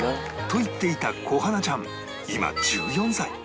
言っていた小花ちゃん今１４歳